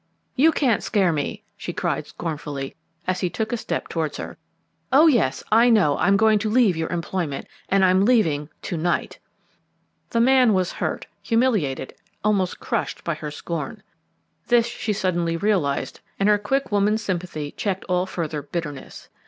"You can't scare me," she cried scornfully, as he took a step towards her. "Oh, yes, I know I'm going to leave your employment, and I'm leaving to night!" The man was hurt, humiliated, almost crushed by her scorn. This she suddenly realised and her quick woman's sympathy checked all further bitterness.